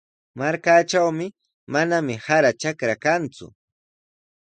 Markaatrawmi manami sara trakra kanku.